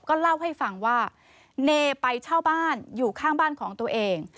ก็เล่าให้ฟังว่าเนไปเช่าบ้านอยู่ข้างบ้านของตัวเอง